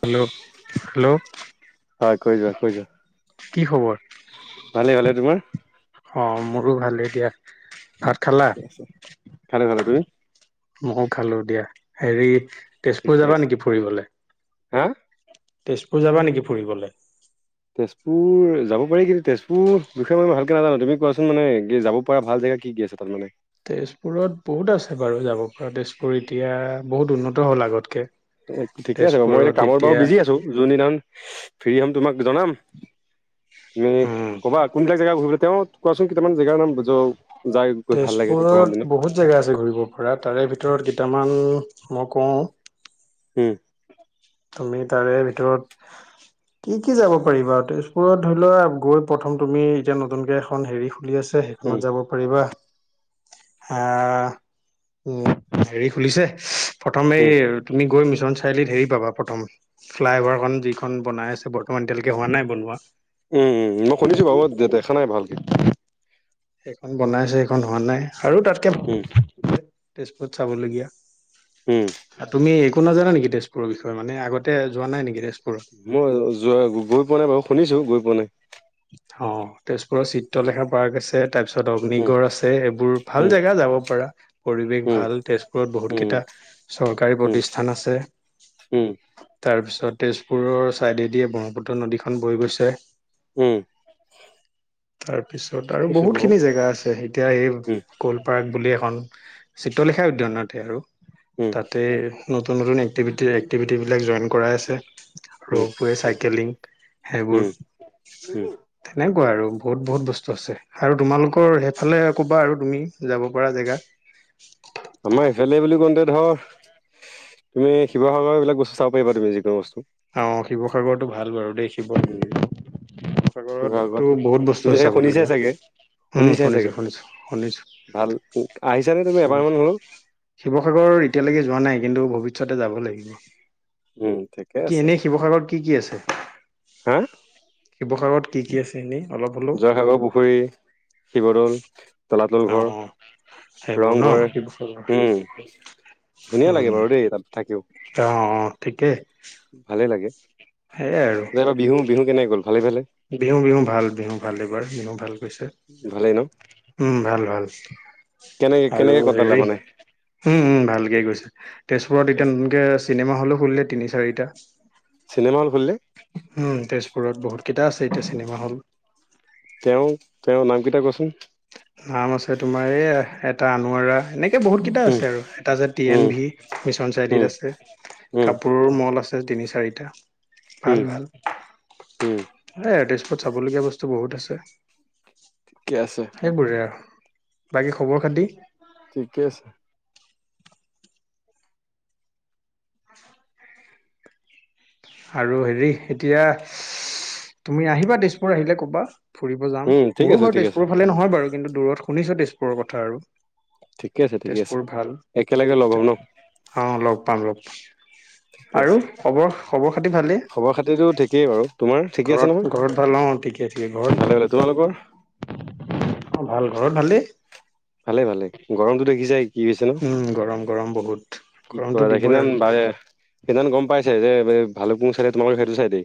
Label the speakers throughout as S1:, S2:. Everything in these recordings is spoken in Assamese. S1: হেল্ল' হেল্ল'
S2: হয় কৈ যোৱা কৈ যোৱা
S1: কি খবৰ
S2: ভালে ভালে তোমাৰ
S1: অঁ মোৰো ভাল এ দিয়া ভাত খালা
S2: ভালে ভালে তুমি
S1: মোকো খালো দিয়া হেৰি তেজপুৰ
S2: ঠিকে
S1: যাবা
S2: আছে
S1: নেকি ফুৰিবলৈ
S2: হা
S1: তেজপুৰ যাবা নেকি ফুৰিবলৈ
S2: তেজপুৰ যাব পাৰি কিন্তু তেজপুৰ বিষয়ে মানে ভালকে নাজানো তুমি কোৱাচোন মানে কি যাব পৰা ভাল জেগা কি কি আছে তাতমানে
S1: তেজপুৰত বহুত আছে বাৰু যাব পৰা তেজপুৰ এতিয়া বহুত উন্নত হ'ল আগতকে
S2: এ ঠিকে আছে বাৰু মই এতিয়া কামত বাৰু বিজি আছো যোনদিনাখন ফ্ৰী হম তোমাক জনাম তুমি
S1: উম
S2: কবা কোন বিলাক জেগা ঘুৰিবলৈ তেওঁ কোৱাচোন কেইটামান জেগাৰ নাম ব য যাই গৈ ভাল লাগে এতিয়া গৰম
S1: তেজপুৰত
S2: দিনত
S1: বহুত জেগা আছে ঘুৰিব পৰা তাৰে ভিতৰত কেইটামান মই কওঁ
S2: হম
S1: তুমি তাৰে ভিতৰত কি কি যাব পাৰিবা তেজপুৰত ধৰি লোৱা গৈ প্ৰথম তুমি এতিয়া নতুনকে এখন হেৰি খুলি আছে সেইখনত
S2: উম
S1: যাব পাৰিবা আহ উ হেৰি খুলিছে প্ৰথমেই
S2: উম
S1: তুমি গৈ মিছন চাৰিআলিত হেৰি পাবা প্ৰথম ফ্লাই অভাৰখন যিখন বনাই আছে বৰ্তমান এতিয়ালৈকে হোৱা নাই বনোৱা
S2: উম উম মই শুনিছো বাৰু দেখা নাই ভালকে
S1: সেইখন বনাইছে সেইখন হোৱা নাই আৰু তাতকে
S2: উম
S1: তেজপুৰত চাবলগীয়া
S2: উম
S1: তুমি একো নাজানা নেকি তেজপুৰৰ বিষয়ে মানে আগতে যোৱা নাই নেকি তেজপুৰ
S2: মই যোৱা গৈ পোৱা নাই বাৰু শুনিছো গৈ পোৱা নাই
S1: অ তেজপুৰৰ চিত্ৰলেখা পাৰ্ক আছে তাৰ পিছত
S2: উম
S1: অগ্নিগড় আছে এইবোৰ ভাল
S2: উম
S1: জেগা যাব পৰাাৰা পৰিৱেশ
S2: উম
S1: ভাল তেজপুৰত
S2: উম
S1: বহুতকেইটা চৰকাৰী
S2: উম
S1: প্ৰতিষ্ঠান আছে
S2: উম,
S1: তাৰপিছত তেজপুৰৰ ছাইডেদিয়ে ব্ৰহ্মপুত্ৰ নদীখন বৈ গৈছে
S2: উম
S1: তাৰপিছত
S2: ঠিক
S1: আৰু
S2: আছে
S1: বহুত
S2: বাৰু।
S1: খিনি জেগা আছে এতিয়া
S2: উম,
S1: এই কলপাৰ্ক বুলি এখন চিত্ৰলেখা উদ্যয়ানতে আৰু
S2: উম,
S1: তাতে নতুন নতুন এক্টিভিটি এক্টিভিটিবিলাক জইন কৰাই আছে
S2: উম,
S1: ৰোপৱে চাইকেলিং সেইবোৰ
S2: উম, উম।
S1: তেনেকুৱা আৰু বহুত বহুত বস্তু আছে আৰু তোমালোকৰ সেইফালে ক'বা আৰু তুমি যাব পৰা জেগা [inaudible]
S2: আমাৰ ইফালে বুলি কওঁতে ধৰ তুমি শিৱসাগৰৰ বিলাক বস্তু চাব পাৰিব তুমি যিকোনো বস্তু
S1: অ শিৱসাগৰতটো ভাল বাৰু দেই
S2: উম,
S1: শিৱসাগৰ সাগৰতো
S2: শিৱসাগৰত
S1: বহুত বস্তু
S2: তুমি
S1: আ
S2: চাগে শুনিছাই
S1: চাবলগীয়া
S2: চাগে
S1: উম
S2: শুনিছাই চাগে
S1: শুনিছোঁ শুনিছোঁ
S2: ভাল আহিছানে তুমি এবাৰ
S1: শুনিছোঁ
S2: মান হ'লেও?
S1: শিৱসাগৰ এতিয়ালৈকে যোৱা নাই কিন্তু ভৱিষ্যতে যাব লাগিব
S2: উম, ঠিকে
S1: কি
S2: আছে।
S1: এনেই শিৱসাগৰত কি কি আছে
S2: হা
S1: শিৱসাগৰত কি কি আছে এনেই অলপ হ'লেও
S2: জয়সাগৰ পুখুৰী শিৱদৌল তলাতল
S1: অ
S2: ঘৰ
S1: অ সেইবোৰ ন
S2: ৰংঘৰ উম,
S1: স
S2: ধুনীয়া লাগে
S1: উম
S2: বাৰু দেই তাত থাকিও
S1: অ অ ঠিকেই
S2: ভালেই লাগে।
S1: সেইয়াই আৰু
S2: বিহু বিহু কেনেক গ'ল ভালে ভালে
S1: বিহু বিহু ভাল বিহু ভাল এইবাৰ বিহু ভাল গৈছে
S2: ভালে নহ
S1: উম ভাল ভাল
S2: কেনেকে
S1: আৰু
S2: কেনেকে কটালা
S1: হেৰি
S2: মানে?
S1: উম উ ভালকে গৈছে তেজপুৰত এতিয়া নতুনকে চিনেমা হলো খুলিলে তিনি চাৰিটা
S2: চিনেমা হল খুলি
S1: উম তেজপুৰত বহুত কেইটা আছে এতিয়া চিনেমা হল
S2: তেওঁ তেওঁৰ নামকেইটা কোৱাচোন
S1: নাম আছে তোমাৰ এই এটা আনাৰা এনেকে বহুত কেইটা
S2: উম
S1: আছে আৰু এটা যে টি এন
S2: উম
S1: ভি মিছন চাইটিত
S2: উম
S1: আছে
S2: উম
S1: কাপোৰ মল আছে তিনি চাৰিটা
S2: উম
S1: ভাল ভাল
S2: উম
S1: চাবলগীয়া বস্তু বহুত আছে
S2: ঠিকে আছে
S1: সেইবোৰে আৰু বাকী খবৰ খাতি
S2: ঠিকেই আছে
S1: আৰু হেৰি এতিয়া তুমি আহিবা তেজপুৰ আহিলে কবা ফুৰিব যাম
S2: উম ঠিক
S1: মোৰো
S2: আছে
S1: ঘৰ
S2: ঠিক আছে
S1: তেজপুৰৰ ফালে নহয় বাৰু কিন্তু দূৰত শুনিছো তেজপুৰৰ কথা আৰু
S2: ঠিকে আছে ঠিকে আছে
S1: তেজপুৰ ভাল
S2: একেলগে লগ হ'ম ন
S1: আহ লগ পাম লগ
S2: ঠিকে
S1: আৰু
S2: আছে
S1: খবৰ খবৰ খাতি ভালেই
S2: খবৰ খাতিতটো ঠিকেই বাৰু তোমাৰ ঠিকেই আছে
S1: ঘৰত ঘৰত ভাল অ ঠিকে ঠিকে
S2: নহয়
S1: ঘৰত
S2: ভালেে তোমাৰ ৰ
S1: অ ভাল ঘৰত ভালেই
S2: ভালে ভালে গৰমটো দেখি যায় কি হৈছে ন
S1: উম গৰম গৰম বহুত
S2: কি
S1: গৰমটো
S2: কৰা দে,
S1: দিবই আৰু
S2: সিদিনাান বাৰে সিদিনা গম পাইছে যে, এই ভালুক মু, চাইডে তোমালোক সেইটো চাইদেই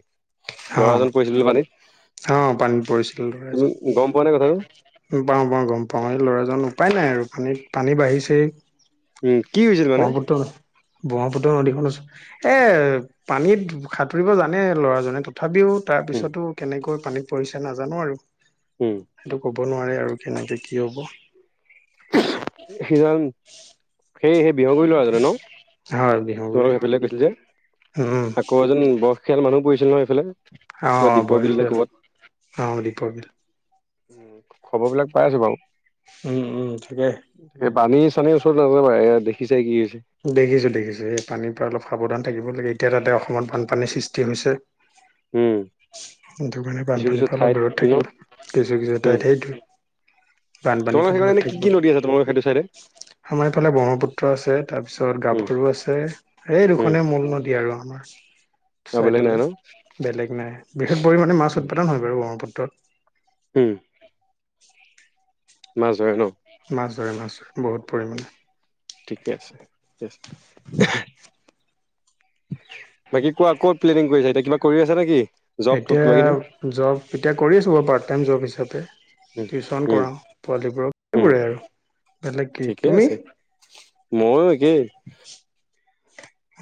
S1: অ
S2: ল'ৰাজন পৰিছিল বুলি পানীত।
S1: অ, পানীত পৰিছিলে
S2: তুমি
S1: ল'ৰাজন
S2: গম পোৱা নে কথাটো
S1: পাও, পাওঁ গম পাও, এই ল'ৰাজনো উপায় নাই আৰু পানীত পানী বাঢ়িছেই।
S2: উম, কি হৈছিল মানে?
S1: ব্ৰহ্মপুত্ৰ ব্ৰহ্মপুত্ৰ নদীখন ওৰত এ, পানীত সাঁতুৰিব জানে ল'ৰাজনে তি তথাপিও,
S2: উম
S1: তাৰপিছতো কেনেকৈ পানীত পৰিছে নাজানো আৰু।
S2: উম
S1: সেইটো ক'ব নোৱাৰে আৰু কেনেকে কি হ'ব।
S2: [inaudible] সেই, সেই বিহগুৰি ল'ৰাজাননে ন,
S1: হয় বিহুগুৰি
S2: তোমালোকক সেইফালে কৈছিল যে
S1: উম
S2: আকৌ এজন বয়সীয়াল মানুহ পৰিছিল নহয়। এইফালে
S1: অ
S2: কাত দীপৰ বিলে
S1: বয়সীয়াল
S2: ক'বাত।
S1: অ দীপৰ বিল
S2: খবৰ বিলাক পাই আছো বাৰু।
S1: উম, উম, থাকেই।
S2: তাকে পানী চানীৰ ওচৰত নাজাবা দেখিছে কি?
S1: দেখিছো, দেখিছো এই পানীৰ পৰা অলপ সাৱধান থাকিব লাগে। এতিয়া তাতে অসমত বানপানীৰ সৃষ্টি হৈছে।
S2: উম।
S1: সেইটো কাৰণে
S2: কিছু কিছু
S1: বানপানীটো অলপ
S2: ঠাইত
S1: দূৰত
S2: ন
S1: থাকিব কিছু, কিছু
S2: উম
S1: ঠাইত সেইটো। বানপানী
S2: তোমালোকৰ সেইকাৰণে
S1: পাদত
S2: এনে কি
S1: থাকিব
S2: কি
S1: লাগ
S2: নদী আছে তোমালোকৰ সেইটো চাইডে
S1: আমাৰ এইফালে ব্ৰহ্মপুত্ৰ আছে। তাৰপিছত
S2: উম
S1: গাভৰুো আছে এই,
S2: উম
S1: দুখনে মূল নদী আৰু আমাৰ।
S2: আৰু বেলেগ নাই
S1: ছাইডলৈ
S2: ন
S1: বেলেগ নাই বৃহৎ পৰিমাণে মাছ
S2: উম
S1: উৎপাদন হয় বাৰু ব্ৰহ্মপুত্ৰত।
S2: উম।
S1: [inaudible]
S2: মাছ ধৰে ন।
S1: মাছ ধৰে, মাছ ধৰে।
S2: উম ঠিকে আছে, ঠিকে আছে। বাকী কোৱা ক'ত প্লেনিং কৰি এতিয়া কিবা কৰি আছে নেকি। জব তব
S1: এতিয়া
S2: কিবা কিনি
S1: জব এতিয়া কৰি আছো বাৰ পাৰ্ট টাইম জব হিচাপে।
S2: উম
S1: টিউচন
S2: উম
S1: কৰাও পোৱালীবোৰক
S2: উম
S1: সেইবোৰে আৰু বেলেগ কি তুমি
S2: মই একে।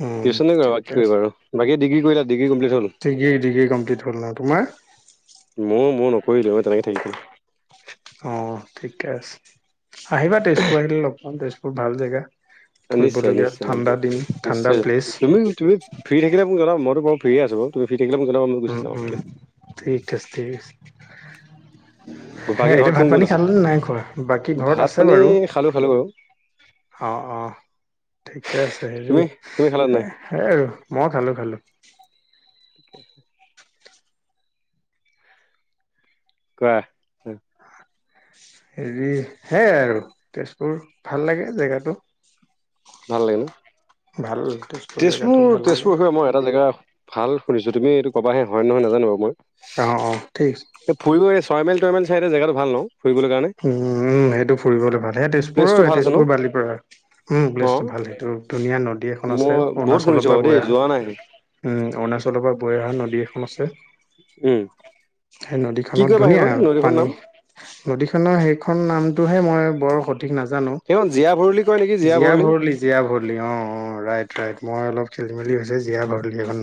S1: উম
S2: টিউচনে কৰোঁ
S1: ঠিকে
S2: কি কৰিব
S1: আছে
S2: বাৰু বাকী ডিগ্ৰী কৰিলে। ডিগ্ৰী কমপ্লিট হ'ল মই,
S1: ডিগ্ৰী ডিগ্ৰী কমপ্লিট হ'ল ন তোমাৰ
S2: মই নকৰিলো। মই তেনেকে থাকি গ'ল।
S1: অ, ঠিকে আছে, আহিবা তেজপুৰ আহিলে লগ পাম তেজপুৰ ভাল জেগা।
S2: নিশ্চয়,
S1: ফুৰিবলগীয়া
S2: নিশ্চয় উম
S1: ঠাণ্ডা দিন ঠাণ্ডা
S2: নিশ্চয়
S1: প্লেচ
S2: তুমি, তুমি ফ্ৰী থাকিলে মোক জনাবা। ফ্ৰী আছো, তুমি? থাকিলে মোক জনাবা মই গুচি
S1: উম,
S2: যাম কি
S1: উম,
S2: আছে,
S1: ঠিক আছে। হে
S2: বাকী ঘৰত
S1: এতিয়া ভাত
S2: কোন কোন
S1: পানী
S2: আছে
S1: খালে নে নাই। খোৱা বাকী ঘৰত
S2: ভাত
S1: আছে
S2: পানী
S1: বাৰু।
S2: খালো খালো বাৰু
S1: অ', অ', ঠিকে আছে, হেৰি
S2: তুমি তুমি খালা নাই
S1: সেই আৰু মই খালো। খালো।
S2: ঠিকে আছে। কোৱা?
S1: হেৰি সেয়াই আৰু তেজপুৰ ভাল লাগে জেগাটো।
S2: ভাল লাগে
S1: ভাল
S2: ন,
S1: জেগাটো ভাল
S2: তেজপুৰ,
S1: লাগে
S2: তেজপুৰ হৈ মই এটা জেগা ভাল শুনিছোঁ। তুম এইটো ক'বাহে হয়, নহয় নাজান বাৰু মই।
S1: অ', অ'। ঠিক
S2: এ, ফুৰিবো এই ছয় মাইলটয়মাইল চাইডে জেগাতটো ভাল ন। ফুৰিবলৈ কাৰণে
S1: উম, উম, সেইটো ফুৰিবলৈ ভাল সেই
S2: প্লেচটো
S1: তেজপুৰৰ
S2: ভাল আছে ন
S1: তেজপুৰ বালি পাৰা উম,
S2: অ
S1: প্লেছটো ভাল। ভাল সেইটো ধুনীয়া নদী এখন আছে।
S2: মই বহুত
S1: অৰুণাচলৰ
S2: শুনিছো
S1: পৰা
S2: বাৰু দেই
S1: বৈ আহে,
S2: যোৱা নাই
S1: উম, অৰুণাচলৰ পৰা। বৈ অহা নদী এখন আছে।
S2: উম
S1: সেই
S2: কি
S1: নদীখনত
S2: কয় বা
S1: ধুনীয়া
S2: সেইখন
S1: আৰু
S2: নদীখনৰ
S1: পানী
S2: নাম
S1: প্ৰতিখনৰ সেইখন নামটোহে মই বৰ স ঠিক নাজানো।
S2: সেইখন জীয়া ভৰলী কয় নেকি জীয়া ভৰলী
S1: জীয়াভৰলি-জীয়াভৰলি অ অ ৰাইট-ৰাইট। মই অলপ ঠিক খেলি মেলি হৈছে। জীয়া ভৰলি এখন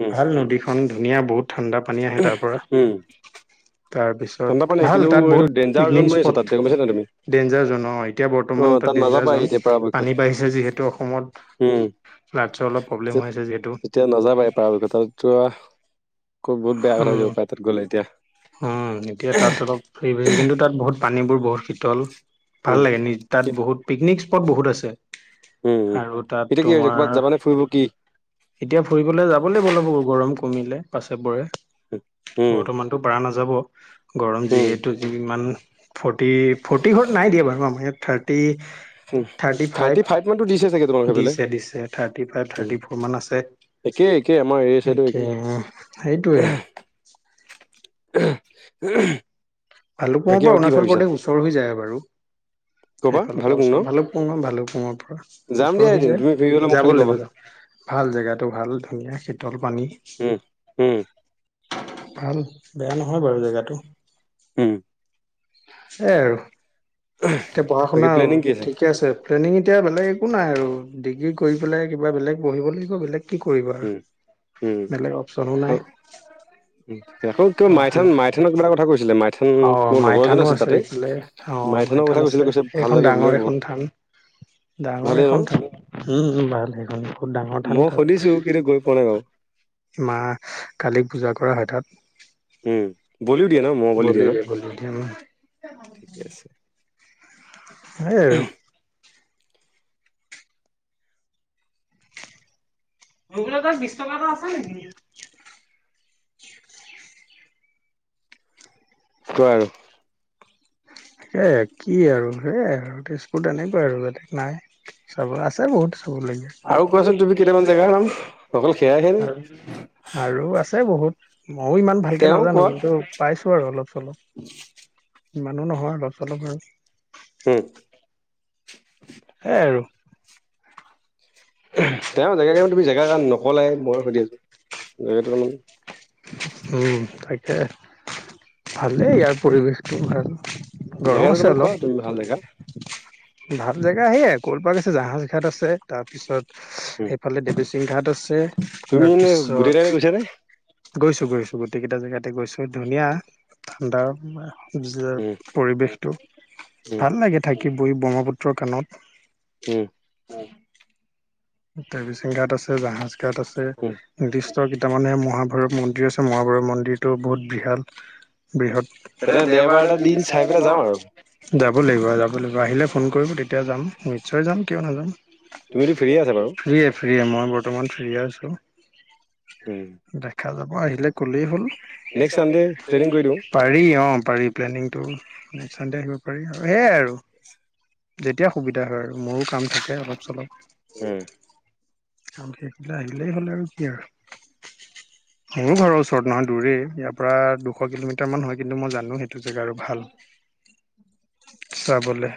S2: উম
S1: ভাল নদীখন ধুনীয়া বহুত ঠাণ্ডা পানী আহে তাৰ পৰা,
S2: উম
S1: তাৰপিছত ভাল তাত বহুত পিকনিক
S2: ডেনজাৰজন বুলি আছে
S1: স্পট
S2: তাত, দেখা পইছা না নাই তুমি?
S1: ডেঞ্জাৰ জন অ, এতিয়া বৰ্তমান
S2: অ'
S1: তাত ডেঞ্জাৰ
S2: নাযাবাই
S1: জন।
S2: এতিয়া পৰাপক্ষত
S1: পানী বাঢ়িছে যিহেতু
S2: উম।
S1: অসমত। ফ্লাডছৰ অলপ প্ৰব্লেম হৈ আছে যিহেতু
S2: এতিয়া নাযাবা পাৰত অ বহুত বেয়া কথা হৈ
S1: উম
S2: যাব পায় তাত গ'লে এতিয়া।
S1: উম এতিয়া তাত অলপ হেৰি হৈছে, কিন্তু তাত বহুত পানীবোৰ বহুত শীতল। ভাল
S2: উম।
S1: লাগে নি তাত বহুত পিকনিক স্পট বহুত আছে।
S2: উম, উম।
S1: আৰু তাত
S2: এতিয়া কি হৈছে
S1: তোমাৰ
S2: ক'ৰবাত যাবানে ফুৰিব কি?
S1: এতিয়া ফুৰিবলৈ যাবলৈ বলব গৰম কমিলে পাছে পৰে।
S2: উম,
S1: বৰ্তমানতটো পাৰা নাযাব, গৰম
S2: উম,
S1: যিহেতু। যি ইমান ফৰ্তি টি ফৰ্টি ঘৰত নাই দিয়া বাৰু আমি ইয়াত থাৰ্টি
S2: উম।
S1: থাৰ্টি
S2: মানতো দিছে চাগে তোমালোকৰ
S1: ফাইভ
S2: সেইফালে?
S1: দিছে দিছে থাৰ্টি
S2: উম।
S1: ফাইভ-থাৰ্টি ফৰ অকমান আছে।
S2: একেই একেই আমাৰ এই চাইডো
S1: তে
S2: একেই।
S1: সেইটোৱে আৰু। [inaudible]
S2: [unintelligible]
S1: ভালুকপুঙৰ
S2: বাকী
S1: পৰা
S2: আৰু কি
S1: অৰুণাচল
S2: ভাবিছা?
S1: প্ৰদেশ ওচৰ হৈ যায় বাৰু।
S2: ক'বা
S1: সেইফালৰ পৰা
S2: ভালুকপুং ন?
S1: ওচৰ ভালক পুঙ ভালক পুঙৰ পৰা
S2: যাম দিয়া
S1: ওচৰ হৈ
S2: এদিন
S1: যায়।
S2: তুমি ফ্ৰী হ'লে মোক
S1: যাব
S2: খালি ক'বা।
S1: লাগে যাব ভাল জেগাতটো ভাল ধুনীয়া সেইটো পানী।
S2: উম, উম,
S1: ভাল বেয়া নহয় বাৰু জেগাতটো।
S2: হম।
S1: এয় আৰু এতিয়া পঢ়া
S2: বাকী
S1: শুনা
S2: প্লেনিং কি
S1: ঠিকে আছে? ট্ৰেইনিং এতিয়া বেলেগ একো নাই আৰু ডিগ্ৰী কৰি পেলাই কিবা বেলেগ বহিব লাগিব বেলেগ কি কৰিবা,
S2: উম, উম।
S1: বেলেগ অপচনো নাই।
S2: আকৌ কিয়
S1: পঢ়া
S2: মাইথান
S1: শুনা
S2: মাইথানক কা কথা কৈছিলে মাই-
S1: অ মাইথানো আছে এইফালে, অ
S2: মাইথানৰ
S1: মাইথান
S2: কথা কৈছিলে
S1: আছে,
S2: কৈছে ভাল
S1: সেইখন
S2: লাগে বোলে
S1: ডাঙৰ এখন
S2: বহুত
S1: থান। ডাঙৰ
S2: ভালেই ন
S1: এখন থান, উম ভাল সেইখন বহুত ডাঙৰ থান
S2: মই
S1: তাত
S2: সুধিছো কিন্তু গৈ পোৱা নাই বাৰু
S1: মা কালিক পূজা কৰা হয় তাত।
S2: উম বলীও দিয়া হয় ন মা
S1: বলি দিয়ে বলি দিয়ে উম।
S2: ঠিকে আছে
S1: সেইয় আৰু ৰগোল ত বিশটকা এটা আছে নেকি?
S2: কোৱা আৰু
S1: [unintelligible] স কি আৰু সেয়াই আৰু তেজপুৰত এনেকুৱা আৰু বেলেগ নাই। চাব আছে বহুত
S2: আৰু কোৱাচোন তুমি কেইটামান জেগাৰ নাম অকল সেয়াইহে নে
S1: আৰু আছে বহুত মইয়ো ইমান ভালকে
S2: তেওঁ
S1: নাজানো।
S2: কোৱা
S1: কিন্তু পাইছো আৰু অলপ-চলপ ইমানো নহয় অলপ-চলপ হয়।
S2: হুম।
S1: সেই আৰু
S2: তেওঁ জেগা তেওঁ তুমি জেগা নকলোই, মই সুধি আছো [unintelligible]
S1: উম তাকে, ভালেই ইয়াৰ পৰিৱেশটো ভাল। গৰম
S2: জেগাটোৰ
S1: আছে
S2: অলপমান
S1: অলপ
S2: কোৱা ভাল দেখা।
S1: ভাল জেগা সেয়ে ক'ল পাৰ আছে, জাহাজ ঘাট আছে, তাৰ পিছত
S2: উম,
S1: সেইফালে দেৱী টিংঘাট আছে,
S2: তুমি এনে গোটেই
S1: তাৰপিছত
S2: কেইটাতে গৈছা নে
S1: গৈছো গৈছো গোটেই কেইটা জেগাতে গৈছো ধুনীয়া ঠাণ্ডা
S2: উম
S1: পৰিৱেশটো,
S2: উম
S1: ভাল লাগে থাকি বহ-ব্ৰহ্মপুত্ৰৰ কাণত
S2: উম।
S1: [inaudible] [unintelligible] ঘাট আছে জাহাজ ঘাট আছে।
S2: উম
S1: কেইটামানহে মহাভাৰৱ মন্দিৰ আছে মহাভৈত মন্দিৰতটো বহুত বিশাল - বৃহত
S2: তেনে দেওবাৰ এটা দিন চাই পেলাই যাম আৰু
S1: যাব লাগিব আহে। ফোন কৰিব তেতিয়া যাম ম নিশ্চয় যাম কিয় নাযাম-
S2: তুমিতো ফ্ৰীয়ে আছা বাৰু?
S1: ফ্ৰী মই বৰ্তমান ফ্ৰী আছো
S2: উম
S1: দেখা যাব আহিলে ক'লেই হ'ল।
S2: নেক্সট চানডে প্লেনিং কৰি দিওঁ।
S1: পাৰি অ। পাৰি প্লেনিং টো সানদে কৰিব পাৰি আৰু সেইয়াই আৰু- যেতিয়া সুবিধা হয় আৰু মোৰো কাম থাকে অলপ চলপ-
S2: উম।
S1: আৰু সেইফে আহিলেই হ'লে আৰু কি আৰু- মোৰো ঘৰৰ ওচৰত নহয় দূৰেই ইয়াৰ পৰা দুশ কিলোমিটাৰ মান হয় কিন্তু মই জানো সেইটো জেগা আৰু ভাল- চাবলৈ-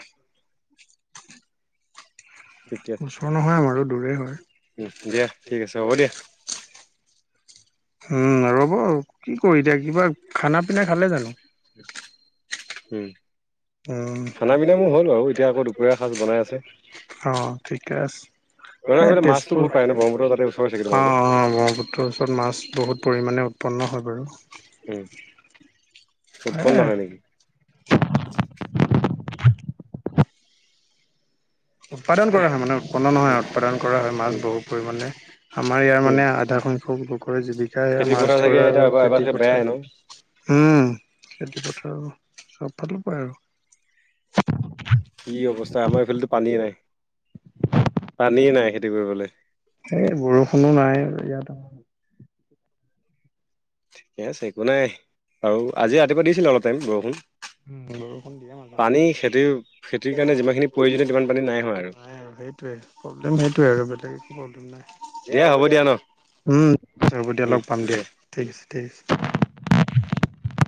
S2: ঠিকে আছে
S1: ওচৰ নহয় আমাৰো দূৰেই হয়-
S2: উম দিয়া ঠিক আছে হ'ব দিয়া।
S1: উম ৰ'ব কি কৰি এতিয়া কিবা খানা পিনা খালে জানো-
S2: উম।
S1: উ
S2: খানা পিনা মোৰ হ'ল বাৰু এতিয়া আকৌ দুপৰীয়া সাজ বনাই আছে।
S1: অ ঠিকে আছে-
S2: তোমালোকৰ
S1: এই
S2: সেইফালে মাছটো
S1: তেজপুৰ
S2: বহুত পায় ন ব্ৰহ্মপুত্ৰ তাতে ওচৰ চাগে
S1: অ
S2: তোমালোকৰ
S1: অ ব্ৰহ্মপুত্ৰৰ ওচৰত মাছ- বহুত পৰিমাণে উৎপন্ন হয় বাৰু-
S2: উম উৎপন্ন
S1: সেয়াই
S2: হয় নেকি?
S1: উৎপাদন কৰা হয় মানে উৎপন্ন নহয় উৎপাদন কৰা হয় মাছ
S2: উম
S1: বহুত পৰিমাণে- আমাৰ ইয়াৰ
S2: উম,
S1: মানে আধা সংখ্যক লোক জীৱিকা সয়া
S2: খেতি
S1: মাছ
S2: পথাৰ চাগে
S1: ধৰা
S2: এতিয়া
S1: আৰু
S2: এবাৰ এবাৰ
S1: খেতি
S2: চাগে বেয়াই ন
S1: পথাৰ উম খেতি পথাৰো চব ফালে পায় আৰু
S2: কি অৱস্থা আমাৰ এইফালো পানীয়ে নাই পানীয়ে নাই খেতি কৰিবলৈ
S1: এই বৰষুণো নাই আৰু ইয়াত আ
S2: ঠিকে আছে একো নাই আৰু আজি ৰাতিপুৱা দিছিলে অলপ টাইম বৰষুণ
S1: উম, বৰষুণ দিয়ে মাজে মাজে
S2: পানী খেতি খেতিৰ কাৰণে যিমানখিনি প্ৰয়োজনীয় সিমান পানী নাই হয় আৰু
S1: সেইটোৱেই প্ৰব্লেম সেইটোৱে আৰু বেলেগ হ'া
S2: দিয়া হ'ব দিয়া ন
S1: হ'ব দিয়া লগ পাম দিয়া ঠিক আছে [inaudible]